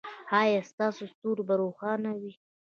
ایا ستاسو ستوری به روښانه وي؟